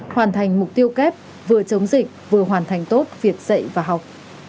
hoàn thành mục tiêu kép vừa chống dịch vừa hoàn thành tốt việc dạy và học